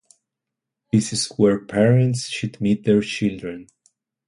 This is where parents should meet their children.